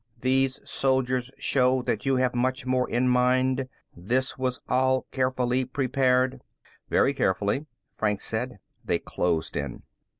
These soldiers show that you have much more in mind; this was all carefully prepared." "Very carefully," Franks said. They closed in.